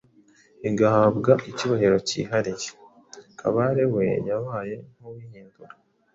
igahabwa icyubahiro cyihariye. Kabare we yabaye nk’uhindura